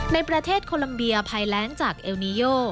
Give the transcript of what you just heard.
ในประเทศโคลัมเบียภัยแลนซ์จากเอลนิโย